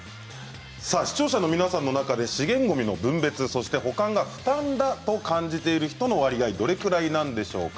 視聴者の皆さんの中で資源ごみの分別、保管が負担だという人の割合はどれくらいなんでしょうか？